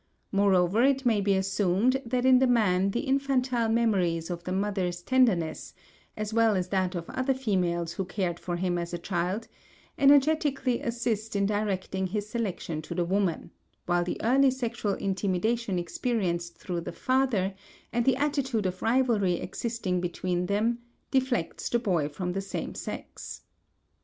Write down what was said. Moreover, it may be assumed that in the man the infantile memories of the mother's tenderness, as well as that of other females who cared for him as a child, energetically assist in directing his selection to the woman, while the early sexual intimidation experienced through the father and the attitude of rivalry existing between them deflects the boy from the same sex.